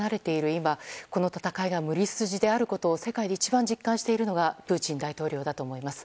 今この戦いは無理筋であるということを世界で一番実感しているのはプーチン大統領だと思います。